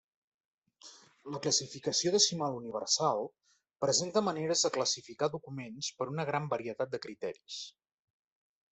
La Classificació Decimal Universal presenta maneres de classificar documents per una gran varietat de criteris.